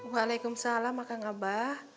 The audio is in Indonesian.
waalaikumsalam akang abah